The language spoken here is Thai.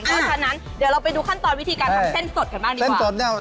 เพราะฉะนั้นเดี๋ยวเราไปดูขั้นตอนวิธีการทำเส้นสดกันบ้างดีกว่า